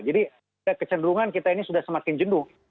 jadi kecenderungan kita ini sudah semakin jenduh